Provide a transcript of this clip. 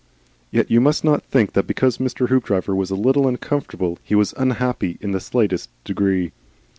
Yet you must not think that because Mr. Hoopdriver was a little uncomfortable, he was unhappy in the slightest degree.